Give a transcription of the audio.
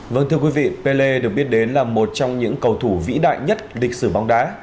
vâng thưa quý vị pelle được biết đến là một trong những cầu thủ vĩ đại nhất lịch sử bóng đá